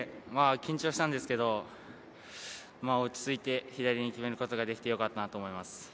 緊張したんですけど、落ち着いて、左に決めることができてよかったなと思います。